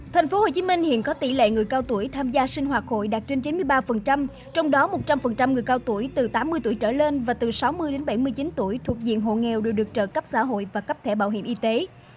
tp hcm hiện có tỷ lệ người cao tuổi tham gia sinh hoạt hội đạt trên chín mươi ba trong đó một trăm linh người cao tuổi từ tám mươi tuổi trở lên và từ sáu mươi đến bảy mươi chín tuổi thuộc diện hộ nghèo đều được trợ cấp xã hội và cấp thẻ bảo hiểm y tế